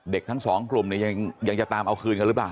ทั้งสองกลุ่มเนี่ยยังจะตามเอาคืนกันหรือเปล่า